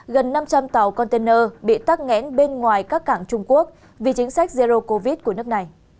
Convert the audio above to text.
gần năm trăm linh tàu container bị tắc nghẽn bên ngoài các cảng trung quốc vì chính sách zero covid của nước này